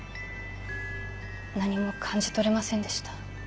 何も感じ取れませんでした。